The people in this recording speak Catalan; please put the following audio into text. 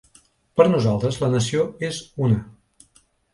Per nosaltres la nació és una.